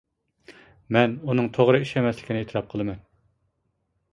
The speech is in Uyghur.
مەن ئۇنىڭ توغرا ئىش ئەمەسلىكىنى ئېتىراپ قىلىمەن.